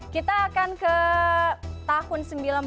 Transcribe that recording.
kita akan ke tahun seribu sembilan ratus sembilan puluh